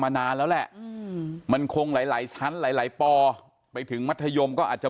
มานานแล้วแหละมันคงหลายชั้นหลายปไปถึงมัธยมก็อาจจะ